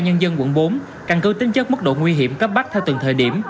trước đó ubnd tp hcm giao ubnd quận bốn căn cứ tính chất mức độ nguy hiểm cấp bắt theo từng thời điểm